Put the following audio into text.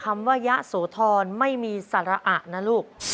ไม่มีสระอ่ะนะลูก